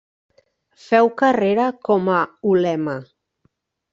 Feu carrera com a ulema.